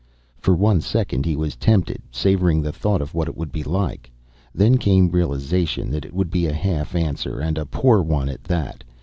For one second he was tempted, savoring the thought of what it would be like. Then came realization that it would be a half answer, and a poor one at that.